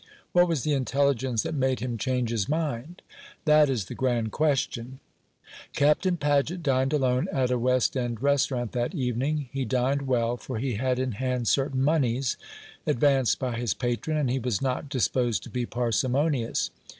What was the intelligence that made him change his mind? That is the grand question." Captain Paget dined alone at a West End restaurant that evening. He dined well, for he had in hand certain moneys advanced by his patron, and he was not disposed to be parsimonious.